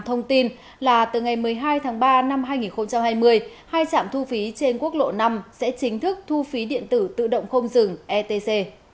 thông tin là từ ngày một mươi hai tháng ba năm hai nghìn hai mươi hai trạm thu phí trên quốc lộ năm sẽ chính thức thu phí điện tử tự động không dừng etc